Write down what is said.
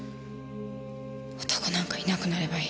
男なんかいなくなればいい。